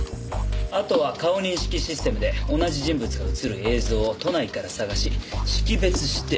あとは顔認識システムで同じ人物が映る映像を都内から探し識別して。